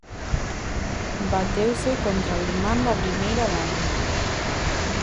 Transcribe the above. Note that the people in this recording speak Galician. Bateuse contra o irmán da primeira dama.